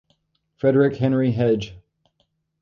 Frederic Henry Hedge.